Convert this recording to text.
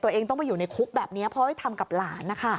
ตัวเองต้องไปอยู่ในคุกแบบนี้เพราะให้ทำกับหลานนะคะ